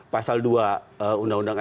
pasal dua undang undang